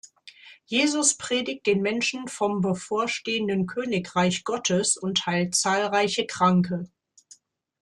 Jesus predigt den Menschen vom bevorstehenden Königreich Gottes und heilt zahlreiche Kranke.